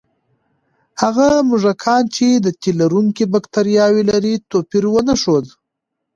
هغه موږکان چې د تیلرونکي بکتریاوې لري، توپیر ونه ښود.